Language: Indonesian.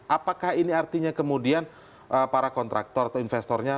apakah ini artinya kemudian para kontraktor atau investornya